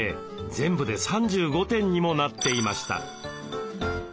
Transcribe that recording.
全部で３５点にもなっていました。